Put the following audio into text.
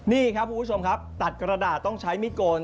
นี่ครับคุณผู้ชมครับตัดกระดาษต้องใช้มิดโกน